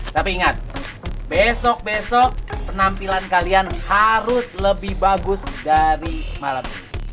tapi ingat besok besok penampilan kalian harus lebih bagus dari malam